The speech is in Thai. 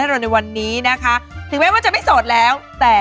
ก็เสดายคุณผู้ชมเวลาหมดลงแล้ว